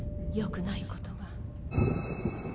よくないことが